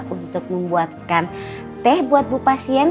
untuk membuatkan teh buat bu pasien